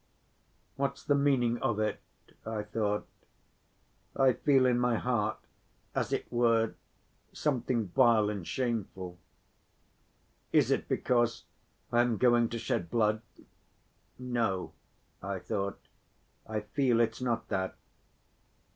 "What's the meaning of it?" I thought. "I feel in my heart as it were something vile and shameful. Is it because I am going to shed blood? No," I thought, "I feel it's not that.